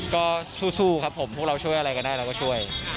ก็สู้ครับผมพวกเราช่วยอะไรก็ได้เราก็ช่วย